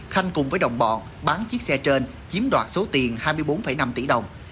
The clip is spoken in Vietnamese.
khanh cùng với đồng bọn bán chiếc xe trên chiếm đoạt số tiền hai mươi bốn năm tỷ đồng